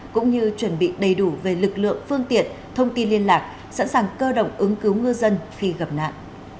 cũng như chuẩn bị đầy đủ về lực lượng phương tiện thông tin liên lạc sẵn sàng cơ động ứng cứu ngư dân khi gặp nạn